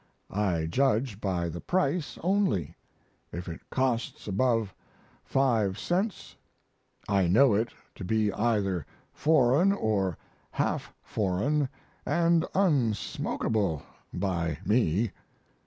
I judge by the price only; if it costs above 5 cents I know it to be either foreign or half foreign & unsmokable by me.